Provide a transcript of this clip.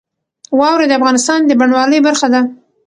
واوره د افغانستان د بڼوالۍ برخه ده.